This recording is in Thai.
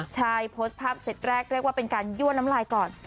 ใช่โพสต์ภาพเซตแรกเรียกว่าเป็นการยั่วน้ำลายก่อน